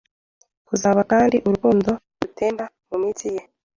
ku zuba kandi urukundo rutemba mu mitsi ye